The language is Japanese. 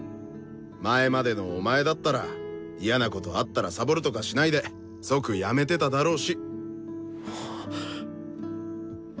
前までのお前だったら嫌なことあったらサボるとかしないで即辞めてただろうし。